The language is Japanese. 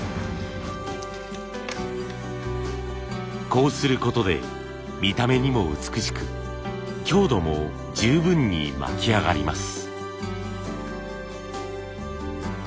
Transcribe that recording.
こうすることで見た目にも美しく強度も十分に巻き上がります。